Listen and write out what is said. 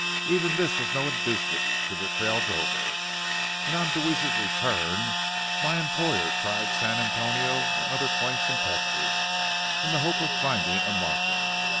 Even this was no inducement to the trail drover, and on Deweese's return my employer tried San Antonio and other points in Texas in the hope of finding a market.